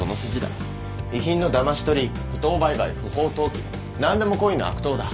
遺品のだまし取り不当売買不法投棄何でもこいの悪党だ。